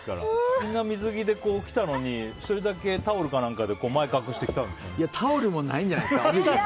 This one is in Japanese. みんな水着で来たのにタオルかなんかで隠してタオルもないんじゃないですか。